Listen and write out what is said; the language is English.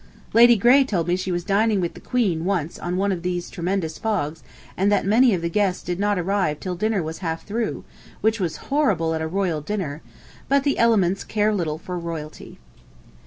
... Lady Grey told me she was dining with the Queen once in one of these tremendous fogs, and that many of the guests did not arrive till dinner was half through, which was horrible at a royal dinner; but the elements care little for royalty.